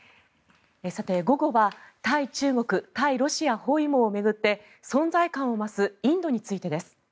午後は対中国・対ロシア包囲網を巡って存在感を増すインドについてです。